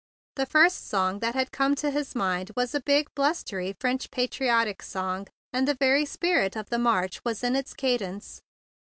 The first song that had come to his mind was a big, blustery French patri¬ otic song; and the very spirit of the march was in its cadence.